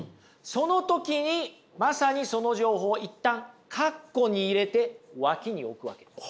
その時にまさにその情報を一旦カッコに入れて脇に置くわけです。